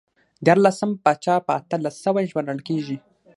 دیارلسم پاچا په اتلس سوی ژباړل کېږي.